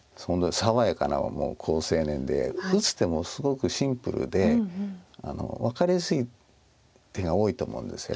爽やかなもう好青年で打つ手もすごくシンプルで分かりやすい手が多いと思うんですけど。